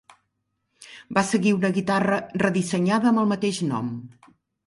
Va seguir una guitarra redissenyada amb el mateix nom.